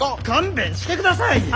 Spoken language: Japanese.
勘弁してください！